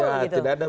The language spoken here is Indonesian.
tidak ada berbeda